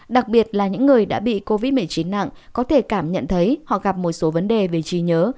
đặc biệt là những người đã bị covid một mươi chín nặng có thể cảm nhận thấy họ gặp một số vấn đề về trí nhớ